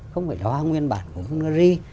không phải là hoa nguyên bản của bungari